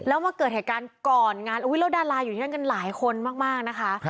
แล้วมาเกิดเหตุการณ์ก่อนงานแล้วดาราอยู่ที่นั่นกันหลายคนมากนะคะ